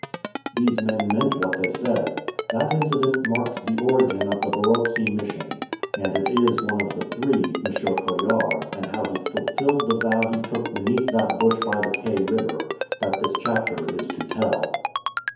These men meant, what they said. That incident marked the origin of the Barotse Mission. And it is of one of the three, M. Coillard, and how he fulfilled the vow he took beneath that bush by the Kei River, that this chapter is to tell.